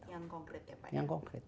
yang konkret ya pak yang konkret